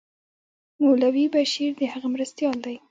مولوي بشیر د هغه مرستیال دی.